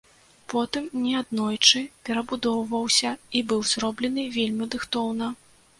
Потым неаднойчы перабудоўваўся і быў зроблены вельмі дыхтоўна.